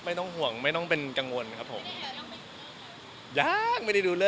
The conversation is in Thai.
ปีนี้ก็จะมีของขวัญเล็กน้อยให้ครับไม่ได้แบบ